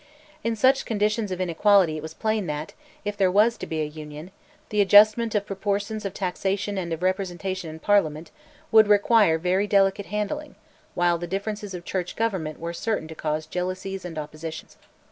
In such conditions of inequality it was plain that, if there was to be a Union, the adjustment of proportions of taxation and of representation in Parliament would require very delicate handling, while the differences of Church Government were certain to cause jealousies and opposition.